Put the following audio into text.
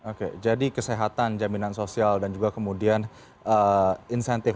oke jadi kesehatan jaminan sosial dan juga kemudian insentif